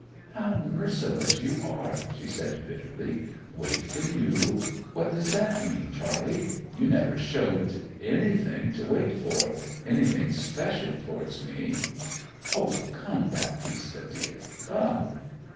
'How merciless you are!' she said bitterly. 'Wait for you? What does that mean, Charley? You never showed anything to wait for anything special towards me.' 'O come, Baptista dear; come!'